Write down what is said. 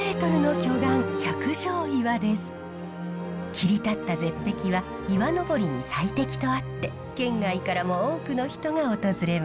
切り立った絶壁は岩登りに最適とあって県外からも多くの人が訪れます。